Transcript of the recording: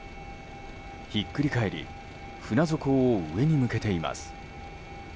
ひっくり返り船底を上に向けています。